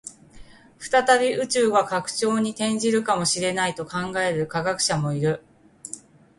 再び宇宙が膨張に転じるかもしれないと考える科学者もいる